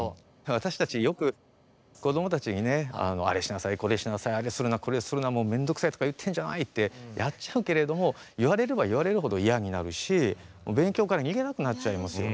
私たち、よく子供たちにねあれしなさい、これしなさいめんどくさいとか言ってんじゃないってやっちゃうけれども言われれば言われるほど嫌になるし、勉強から逃げたくなっちゃいますよね。